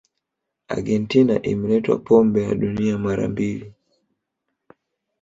argentina imetwaa kombe la dunia mara mbili